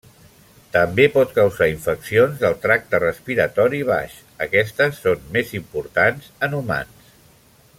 També pot causar infeccions del tracte respiratori baix, aquestes són més importants en humans.